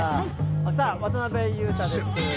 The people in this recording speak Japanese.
さあ、渡辺裕太です。